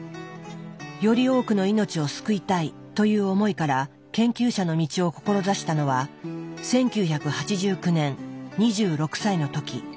より多くの命を救いたいという思いから研究者の道を志したのは１９８９年２６歳の時。